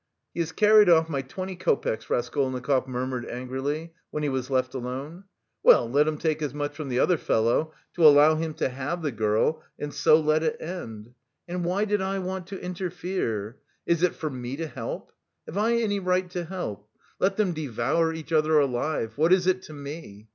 "He has carried off my twenty copecks," Raskolnikov murmured angrily when he was left alone. "Well, let him take as much from the other fellow to allow him to have the girl and so let it end. And why did I want to interfere? Is it for me to help? Have I any right to help? Let them devour each other alive what is it to me?